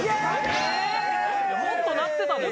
もっと鳴ってたで。